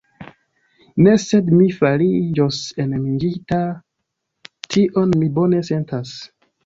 Ne, sed mi fariĝos enamiĝinta; tion mi bone sentas.